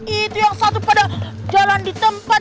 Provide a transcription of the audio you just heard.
itu yang satu pada jalan di tempat